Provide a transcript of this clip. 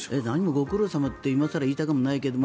ご苦労さんって今更言いたくないけども。